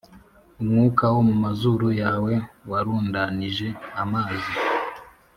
umwuka wo mu mazuru yawe warundanije amazi,